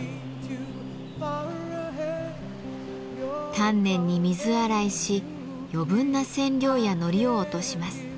丹念に水洗いし余分な染料やノリを落とします。